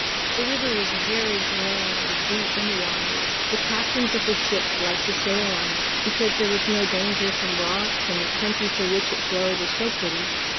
The river was very grand, deep, and wide. The captains of the ships liked to sail on it, because there was no danger from rocks, and the country through which it flowed was so pretty.